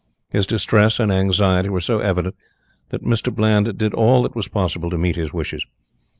His distress and anxiety were so evident that Mr. Bland did all that was possible to meet his wishes.